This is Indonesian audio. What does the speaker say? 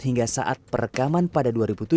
hingga saat perekaman pada dua ribu tujuh